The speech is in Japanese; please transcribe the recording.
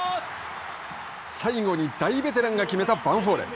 最後に大ベテランが決めたヴァンフォーレ。